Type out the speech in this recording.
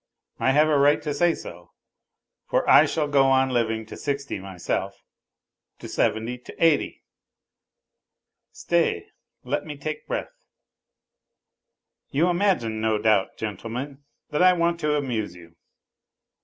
I have a right to say so, for I shall go on living to sixty myself. To seventy ! To eighty !... Stay, let me take breath. ... You imagine no doubt, gentlemen, that I want to amuse you.